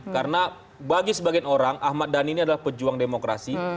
karena bagi sebagian orang ahmad dhani ini adalah pejuang demokrasi